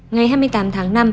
ngày hai mươi tám tháng năm